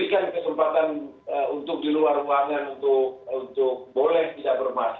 ini karena kesesadaran pribadi